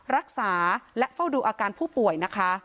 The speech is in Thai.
รักษาและเฝ้าดูอาการผู้ป่วยนะคะ